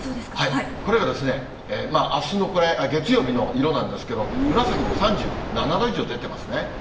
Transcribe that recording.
これが、あすのこれ、月曜日の色なんですけれども、紫の３７度以上、出てますね。